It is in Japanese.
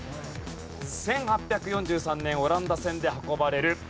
１８４３年オランダ船で運ばれる。